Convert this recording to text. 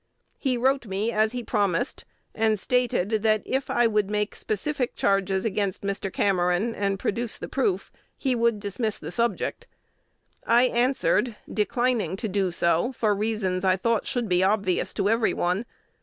He wrote me, as he promised, and stated, that, if I would make specific charges against Mr. Cameron, and produce the proof, he would dismiss the subject. I answered, declining to do so for reasons I thought should be obvious to every one.